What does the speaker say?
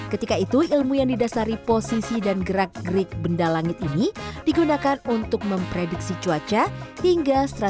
ketika itu ilmu yang didasari posisi dan gerak gerik benda langit ini digunakan untuk memprediksi cuaca hingga